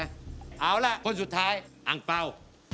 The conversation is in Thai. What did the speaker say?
เอาละคนสุดท้ายอ่างเปร่า